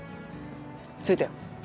着いたよ。